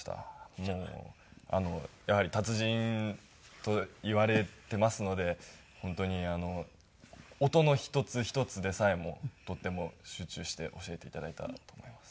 もうやはり達人といわれていますので本当に音の一つ一つでさえもとても集中して教えて頂いたと思います。